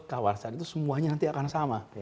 kawasan itu semuanya nanti akan sama